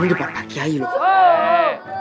ini depan pak kiai loh